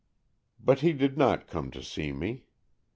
But he did not come to see me.